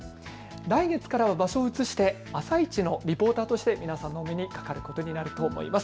来月からは場所を移してあさイチのリポーターとして皆さんにお目にかかることになると思います。